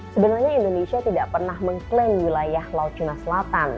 sebenarnya indonesia tidak pernah mengklaim wilayah laut cina selatan